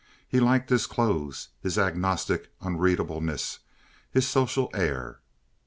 He liked his clothes, his agnostic unreadableness, his social air.